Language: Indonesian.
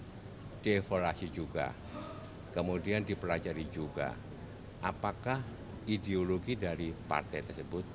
kemudian devolasi juga kemudian dipelajari juga apakah ideologi dari partai tersebut